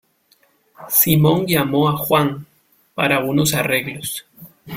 Simón llamó a Juan, para unos arreglos.